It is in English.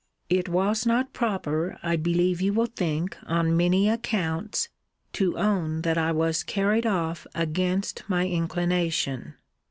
It was not proper, I believe you will think, on many accounts, to own that I was carried off against my inclination.